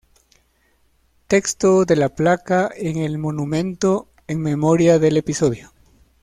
Texto de la placa en el monumento en memoria del episodio.